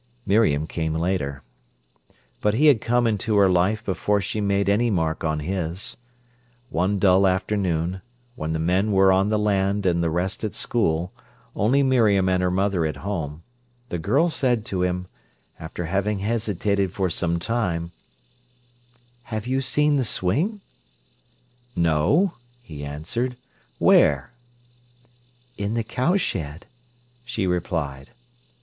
Miriam came later. But he had come into her life before she made any mark on his. One dull afternoon, when the men were on the land and the rest at school, only Miriam and her mother at home, the girl said to him, after having hesitated for some time: "Have you seen the swing?" "No," he answered. "Where?" "In the cowshed," she replied.